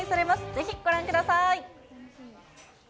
ぜひご覧ください。